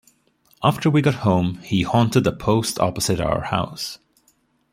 After we got home, he haunted a post opposite our house.